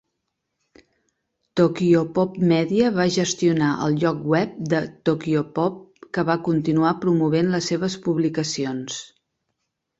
Tokyopop Media va gestionar el lloc web de Tokyopop, que va continuar promovent les seves publicacions.